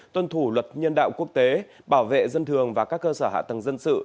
tuân thủ luật nhân đạo quốc tế bảo vệ dân thường và các cơ sở hạ tầng dân sự